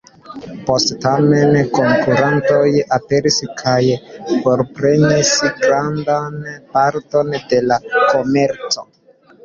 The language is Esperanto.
Poste, tamen, konkurantoj aperis kaj forprenis grandan parton de la komerco.